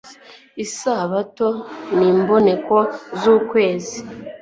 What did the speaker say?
isabato n'imboneko z'ukwezi